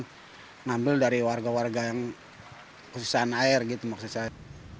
mengambil dari warga warga yang kesusahan air gitu maksud saya